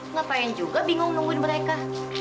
ngapain juga bingung nungguin mereka